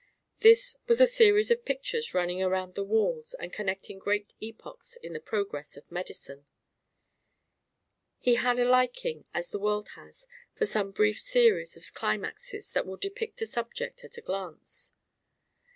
This was a series of pictures running around the walls and connecting great epochs in the progress of Medicine. He had a liking, as the world has, for some brief series of climaxes that will depict a subject at a glance.